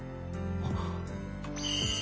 あっ。